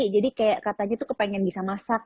jadi kayak katanya tuh kepengen bisa masak